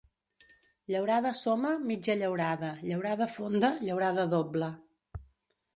Llaurada soma, mitja llaurada; llaurada fonda, llaurada doble.